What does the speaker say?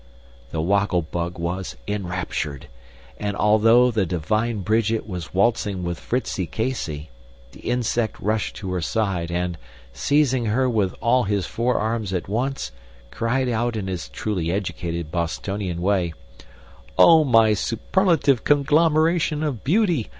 The Woggle bug was enraptured; and, although the divine Bridget was waltzing with Fritzie Casey, the Insect rushed to her side and, seizing her with all his four arms at once, cried out in his truly educated Bostonian way: "Oh, my superlative conglomeration of beauty!